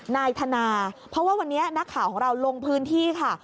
นายธนาเพราะว่าวันนี้นักข่าวของเราลงพื้นที่ค่ะ